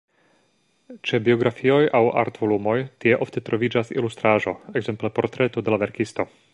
Ĉe biografioj aŭ art-volumoj tie ofte troviĝas ilustraĵo, ekzemple portreto de la verkisto.